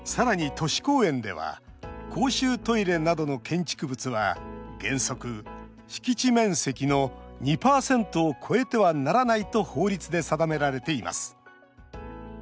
都市公園では公衆トイレなどの建築物は原則、敷地面積の２％を超えてはならないと法律で定められています。